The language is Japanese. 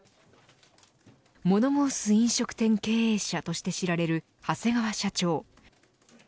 もの申す飲食店経営者として知られる長谷川社長。